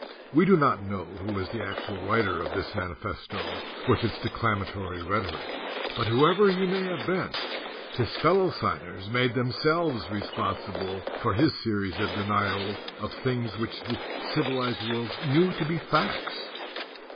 We do not know who was the actual writer of this manifesto with its declamatory rhetoric; but whoever he may have been, his fellow signers made themselves responsible for his series of denials of things which the civilized world knew to be facts.